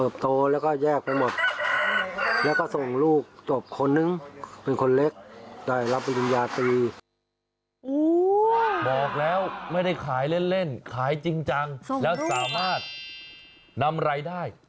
บอกแล้วไม่ได้ขายเล่นขายจริงจังแล้วสามารถนำรายได้